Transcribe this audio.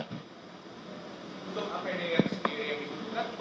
untuk apd yang sendiri yang dibuka